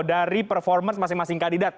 dari performance masing masing kandidat